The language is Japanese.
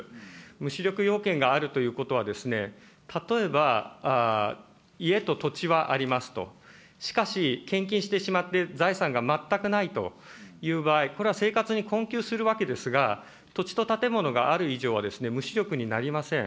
無資力要件があるということは、例えば家と土地はありますと、しかし、献金してしまって、財産が全くないという場合、これは生活に困窮するわけですが、土地と建物がある以上はですね、無資力になりません。